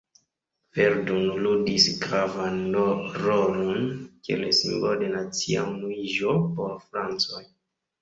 Verdun ludis gravan rolon kiel simbolo de nacia unuiĝo por francoj.